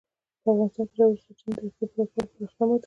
په افغانستان کې د ژورې سرچینې د اړتیاوو پوره کولو لپاره اقدامات کېږي.